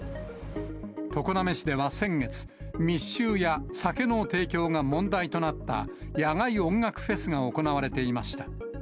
常滑市では先月、密集や酒の提供が問題となった野外音楽フェスが行われていました。